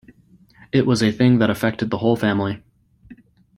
It was a thing that affected the whole family.